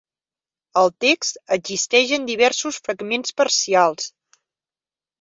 El text existeix en diversos fragments parcials.